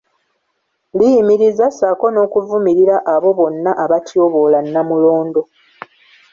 Liyimiriza ssaako n’okuvumirira abo bonna abatyoboola Nnamulondo